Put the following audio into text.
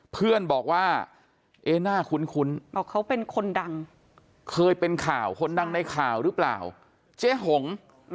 เพื่อนว่าเน่าคุ้นเคยเป็นหนังในข่าวรึเปล่าเจ๊ห่ง